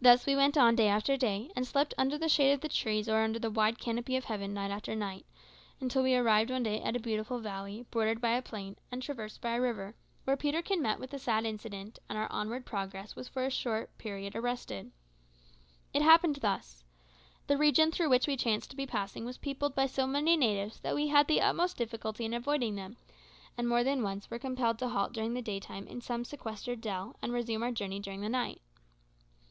Thus we went on day after day, and slept under the shade of the trees or under the wide canopy of heaven night after night, until we arrived one day at a beautiful valley, bordered by a plain, and traversed by a river, where Peterkin met with a sad accident, and our onward progress was for a short period arrested. It happened thus: The region through which we chanced to be passing was peopled by so many natives that we had the utmost difficulty in avoiding them, and more than once were compelled to halt during the daytime in some sequestered dell, and resume our journey during the night.